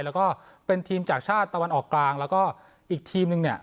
แล้วก็เป็นทีมจากชาติตะวันออกกลางแล้วก็อีกทีมนึงเนี่ย